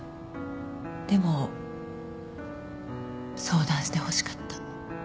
でも相談してほしかった。